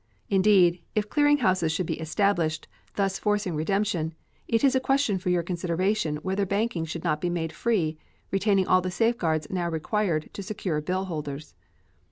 Indeed, if clearing houses should be established, thus forcing redemption, it is a question for your consideration whether banking should not be made free, retaining all the safeguards now required to secure bill holders.